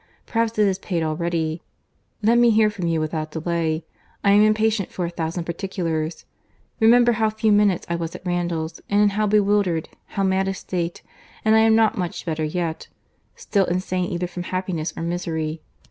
Perhaps it is paid already. Let me hear from you without delay; I am impatient for a thousand particulars. Remember how few minutes I was at Randalls, and in how bewildered, how mad a state: and I am not much better yet; still insane either from happiness or misery.